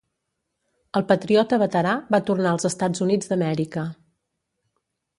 El patriota veterà va tornar als Estats Units d'Amèrica.